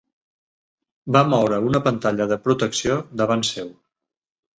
Va moure una pantalla de protecció davant seu.